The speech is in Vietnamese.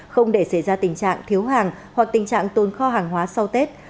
không để xảy ra tình trạng thiếu hàng hoặc tình trạng tồn kho hàng hóa sau tết